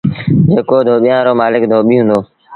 جيڪو ڌوٻيآݩ رو مآلڪ ڌوٻيٚ هُݩدو۔